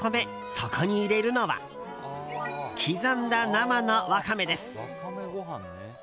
そこに入れるのは刻んだ生のワカメです。